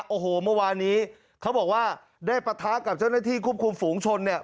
โอ้โหเมื่อวานี้เขาบอกว่าได้ปะทะกับเจ้าหน้าที่ควบคุมฝูงชนเนี่ย